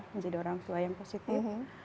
menjadi orang tua yang positif